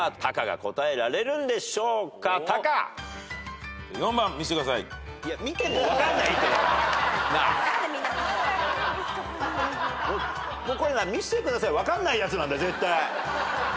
これ「見してください」分かんないやつなんだよ絶対。